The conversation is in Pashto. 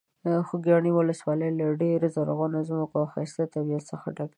خوږیاڼي ولسوالۍ له ډېرو زرغونو ځمکو او ښایسته طبیعت څخه ډکه ده.